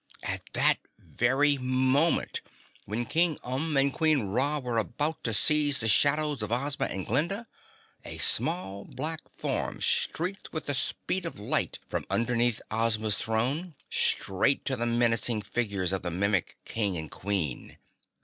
At that very moment when King Umb and Queen Ra were about to seize the shadows of Ozma and Glinda, a small, black form streaked with the speed of light from underneath Ozma's throne straight to the menacing figures of the Mimic King and Queen.